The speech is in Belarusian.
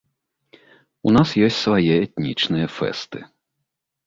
У нас ёсць свае этнічныя фэсты.